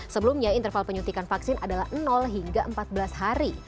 sebelumnya interval penyuntikan vaksin adalah hingga empat belas hari